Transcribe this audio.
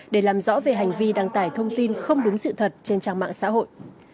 để làm rõ về hành vi đăng tải thông tin không đúng sự thật trên trang mạng xã hội